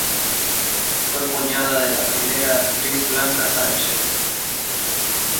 Fue cuñada de la primera actriz Blanca Sánchez.